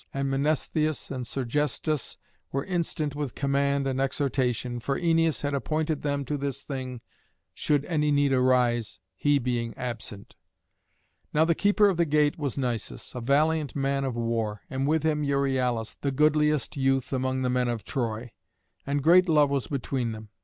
And Mnestheus and Sergestus were instant with command and exhortation, for Æneas had appointed them to this thing should any need arise, he being absent. Now the keeper of the gate was Nisus, a valiant man of war, and with him Euryalus, the goodliest youth among the men of Troy; and great love was between them.